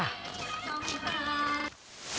ขอบคุณครับ